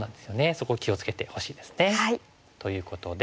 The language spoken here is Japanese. そこを気を付けてほしいですね。ということで。